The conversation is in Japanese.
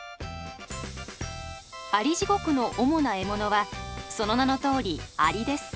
アリジゴクの主な獲物はその名のとおりアリです。